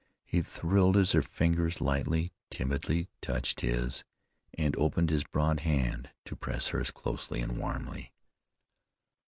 He thrilled as her fingers lightly, timidly touched his, and opened his broad hand to press hers closely and warmly.